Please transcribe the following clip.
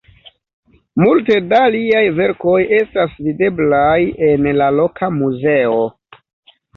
Multe da liaj verkoj estas videblaj en la loka muzeo.